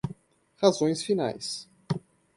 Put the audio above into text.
razões finais